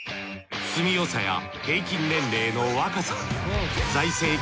住みよさや平均年齢の若さ財政